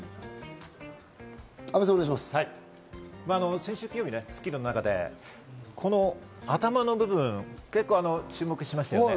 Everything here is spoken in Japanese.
先週金曜日、『スッキリ』の中で、この頭の部分、結構注目しましたよね。